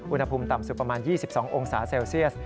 อุณหภูมิต่ำสุดประมาณ๒๒องศาเซลเซียส